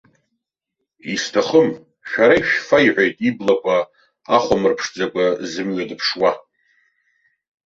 Исҭахым, шәара ишәфа, иҳәеит, иблақәа ахәамырԥшӡакәа зымҩа дыԥшуа.